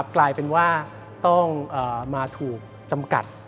กลายเป็นว่าต้องมาถูกจำกัด